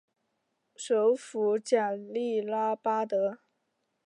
首府贾利拉巴德。